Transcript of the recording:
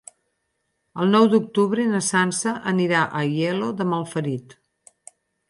El nou d'octubre na Sança anirà a Aielo de Malferit.